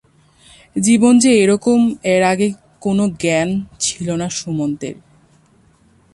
জীবন যে এরকম এর আগে কোন জ্ঞান ছিল না সুমন্তের।